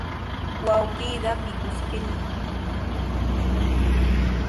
Wawqiiqa mikuskirmi puñuq aywakurqan.